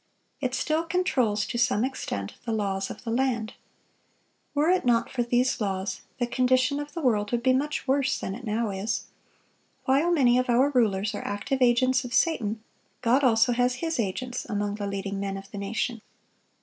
It still controls, to some extent, the laws of the land. Were it not for these laws, the condition of the world would be much worse than it now is. While many of our rulers are active agents of Satan, God also has His agents among the leading men of the nation.